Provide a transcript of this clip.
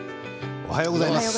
おはようございます。